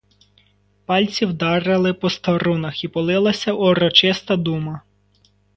Пальці вдарили по струнах і полилася урочиста дума.